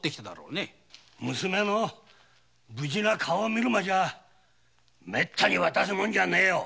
娘の無事な顔を見るまではめったに渡すものじゃねぇ。